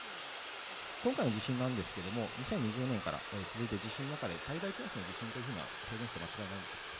今回の地震なんですけれども、２０２０年から続いた地震の中で、最大クラスの地震というふうに表現して間違いないんでしょうか。